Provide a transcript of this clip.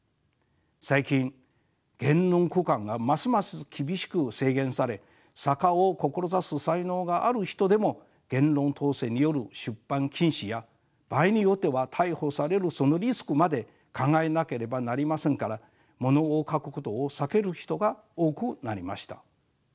最近言論空間がますます厳しく制限され作家を志す才能がある人でも言論統制による出版禁止や場合によっては逮捕されるそのリスクまで考えなければなりませんからものを書くことを避ける人が多くなりました。